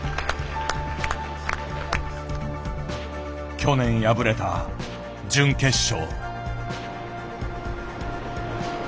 去年敗れた準決勝。